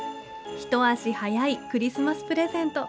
一足早いクリスマスプレゼント。